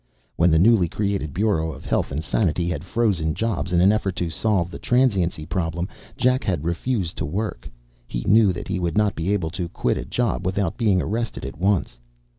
When the newly created Bureau of Health and Sanity had frozen jobs in an effort to solve the transiency problem, Jack had refused to work. He knew that he would not be able to quit a job without being arrested at once.